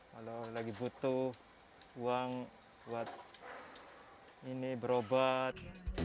kalau lagi butuh uang buat ini berobat